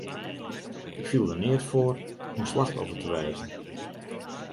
Ik fiel der neat foar om slachtoffer te wêze.